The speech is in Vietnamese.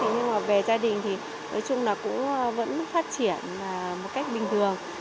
nhưng mà về gia đình thì nói chung là cũng vẫn phát triển một cách bình thường